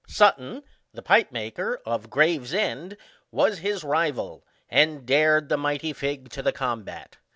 Sutton, the pipe maker, of Graves end, was his rival, and dared the mighty Figg to the combat.